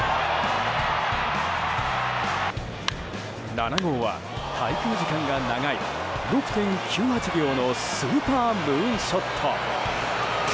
７号は滞空時間がやたら長い６．９８秒のスーパームーンショット。